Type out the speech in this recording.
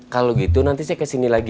kalau gitu nanti saya kesini lagi